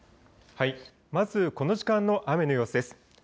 まずこの時間の雨の様子です。